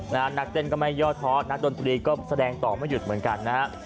นักเต้นก็ไม่ย่อท้อนักดนตรีก็แสดงต่อไม่หยุดเหมือนกันนะฮะ